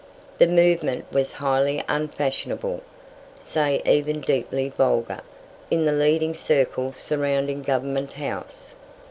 The movement was highly unfashionable, say even deeply vulgar, in the leading circle surrounding Government House.